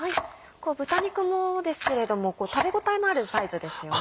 豚肉もですけれども食べ応えのあるサイズですよね。